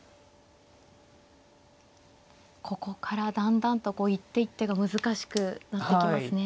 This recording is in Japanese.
ここからだんだんと一手一手が難しくなってきますね。